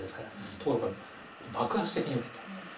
ところが爆発的にウケた。